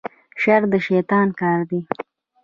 شر د شیطان کار دی